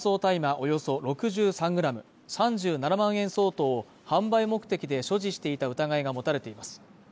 およそ６３ｇ、３７万円相当を販売目的で所持していた疑いが持たれています